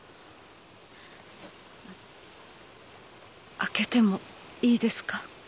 開けてもいいですか？